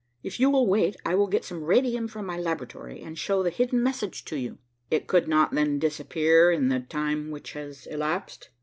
If you will wait I will get some radium from my laboratory and show the hidden message to you." "It could not, then, disappear in the time which has elapsed?"